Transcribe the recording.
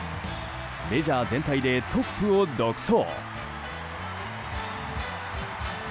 メジャー全体でトップを独走。